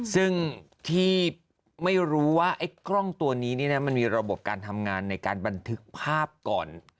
ซึ่งที่ไม่รู้ว่าไอ้กล้องตัวนี้มันมีระบบการทำงานในการบันทึกภาพก่อน